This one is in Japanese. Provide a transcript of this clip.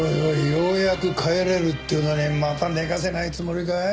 ようやく帰れるっていうのにまた寝かせないつもりかい？